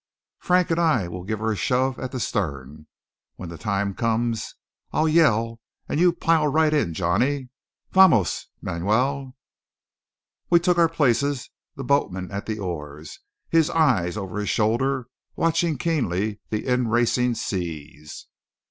Frank and I will give her a shove at the stern. When the time comes, I'll yell and you pile right in, Johnny. Vamos, Manuel!" We took our places; the boatman at the oars, his eyes over his shoulder watching keenly the in racing seas.